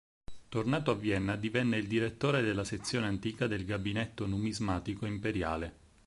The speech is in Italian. Tornato a Vienna divenne il direttore della sezione antica del Gabinetto numismatico imperiale.